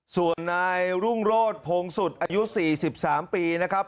ส่วนนายรุ่งโรธพงสุดอายุ๔๓ปีนะครับ